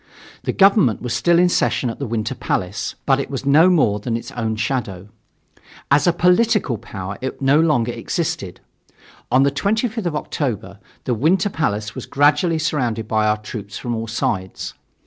The government was still in session at the Winter Palace, but it was no more than its own shadow. As a political power it no longer existed. On the 25th of October the Winter Palace was gradually surrounded by our troops from all sides.